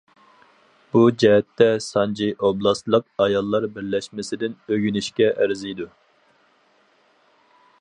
بۇ جەھەتتە سانجى ئوبلاستلىق ئاياللار بىرلەشمىسىدىن ئۆگىنىشكە ئەرزىيدۇ.